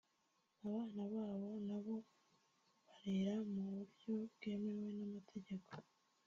abana babo n’abo barera mu buryo bwemewe n’amategeko)